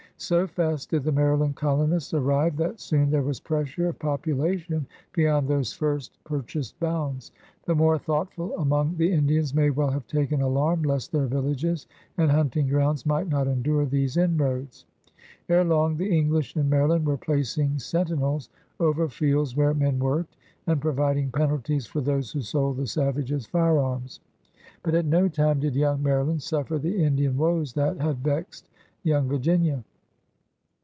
So fast did the Maryland colonists arrive that soon there was pressure of population beyond those first purchased bounds. The more thoughtful among the Indians may well have taken alarm lest their villages and himting grounds might not endure these inroads. Ere long the English in Mary land were placing "centinells over fields where men worked, and providing penalties for those who sold the savages fij'earms. But at no time did yoimg Maryland suffer the Indian woes that had vexed young Virginia.